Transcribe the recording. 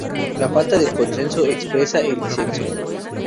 La "falta de consenso" expresa el disenso.